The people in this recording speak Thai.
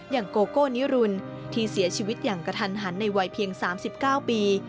โกโก้นิรุนที่เสียชีวิตอย่างกระทันหันในวัยเพียง๓๙ปี